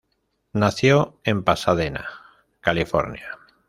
Nació en Pasadena, California.